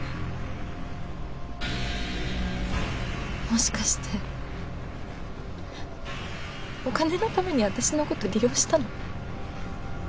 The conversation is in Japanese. もしかしてお金のために私の事利用したの？